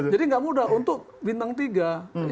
jadi nggak mudah untuk bintang tiga